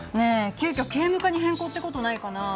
急きょ警務課に変更って事ないかな？